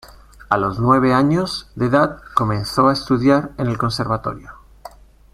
A los nueve años de edad comenzó a estudiar en el conservatorio.